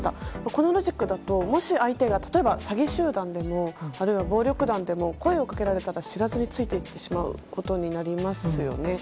このロジックだともし相手が例えば詐欺集団でも、暴力団でも声をかけられたら知らずについて行ってしまうことになりますよね。